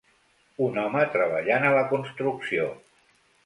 un home treballant a la construcció.